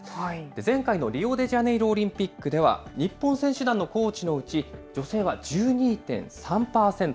前回のリオデジャネイロオリンピックでは、日本選手団のコーチのうち、女性は１２．３％。